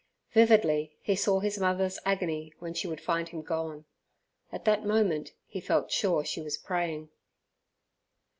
Vividly he saw his mother's agony when she would find him gone. At that moment, he felt sure, she was praying.